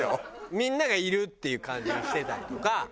みんながいるっていう感じにしてたりとか。